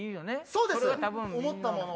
そうです思ったもの。